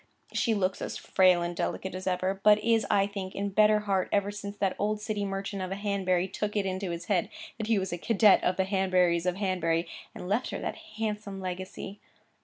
She looks as frail and delicate as ever, but is, I think, in better heart ever since that old city merchant of a Hanbury took it into his head that he was a cadet of the Hanburys of Hanbury, and left her that handsome legacy.